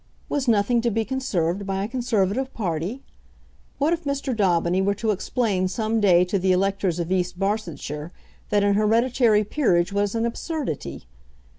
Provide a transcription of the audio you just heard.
Was nothing to be conserved by a Conservative party? What if Mr. Daubeny were to explain some day to the electors of East Barsetshire that an hereditary peerage was an absurdity?